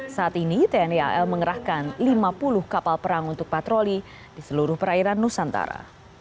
saat ini tni al mengerahkan lima puluh kapal perang untuk patroli di seluruh perairan nusantara